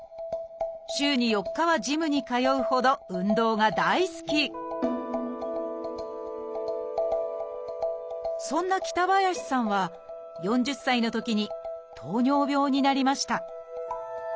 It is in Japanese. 週に４日はジムに通うほど運動が大好きそんな北林さんは４０歳のときに糖尿病になりました